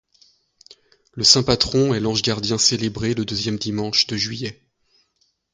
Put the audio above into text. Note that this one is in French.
Le Saint Patron est l'Ange Gardien célébré le deuxième dimanche de Juillet.